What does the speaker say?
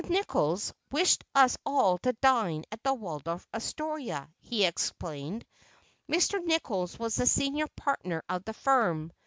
Nichols wished us all to dine at the Waldorf Astoria," he explained—Mr. Nichols was the senior partner of the firm.